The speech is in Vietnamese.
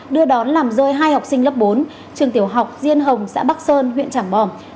đưa đón làm rơi hai học sinh lớp bốn trường tiểu học diên hồng xã bắc sơn huyện trảng bò